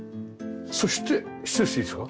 そして失礼していいですか？